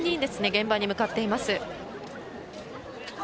現場に向かっています。